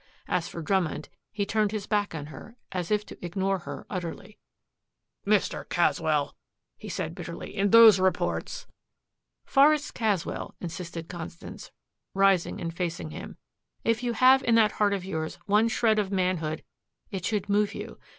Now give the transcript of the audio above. As for Drummond, he turned his back on her as if to ignore her utterly. "Mr. Caswell," he said bitterly, "in those reports " "Forest Caswell," insisted Constance, rising and facing him, "if you have in that heart of yours one shred of manhood it should move you.